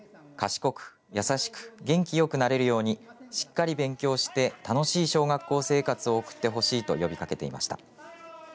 賢く、優しく、元気よくなれるようにしっかり勉強して楽しい小学校生活を送ってほしいと呼びかけていました。